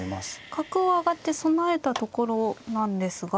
角を上がって備えたところなんですが。